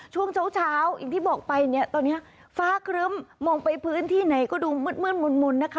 ช่วงเช้าอย่างที่บอกไปเนี่ยตอนนี้ฟ้าครึ้มมองไปพื้นที่ไหนก็ดูมืดมนต์นะคะ